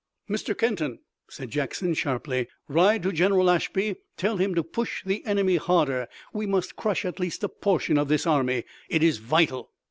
"Mr. Kenton," said Jackson sharply, "ride to General Ashby and tell him to push the enemy harder! We must crush at least a portion of this army! It is vital!"